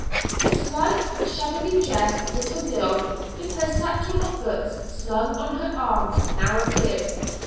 A slight, shabbily dressed little girl, with her satchel of books slung on her arm, now appeared.